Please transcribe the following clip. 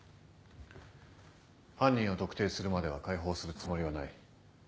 犯人を特定するまでは解放するつもりはない。